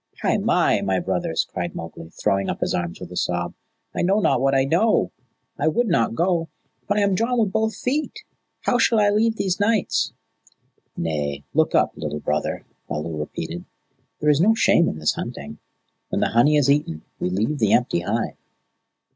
"Hai mai, my brothers," cried Mowgli, throwing up his arms with a sob. "I know not what I know! I would not go; but I am drawn by both feet. How shall I leave these nights?" "Nay, look up, Little Brother," Baloo repeated. "There is no shame in this hunting. When the honey is eaten we leave the empty hive."